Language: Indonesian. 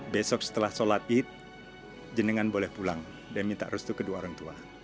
besok setelah sholat id jenengan boleh pulang dan minta restu kedua orang tua